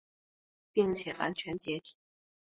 并且完全解体。